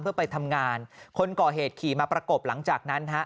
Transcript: เพื่อไปทำงานคนก่อเหตุขี่มาประกบหลังจากนั้นฮะ